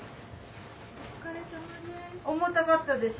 お疲れさまです。